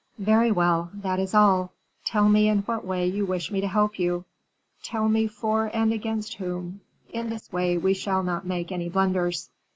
"Very well; that is all. Tell me in what way you wish me to help you; tell me for and against whom, in this way we shall not make any blunders."